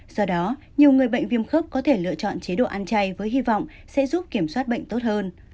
do đó nhiều người bệnh viêm khớp có thể lựa chọn chế độ ăn chay với hy vọng sẽ giúp kiểm soát bệnh tốt hơn